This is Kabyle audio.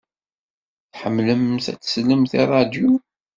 Tḥemmlemt ad teslemt i ṛṛadyu?